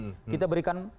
kalau kita berikan